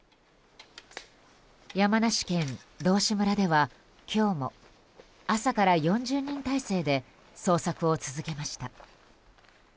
山梨県道志村では今日も朝から４０人態勢で捜索を続けました。